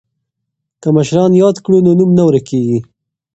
که مشران یاد کړو نو نوم نه ورکيږي.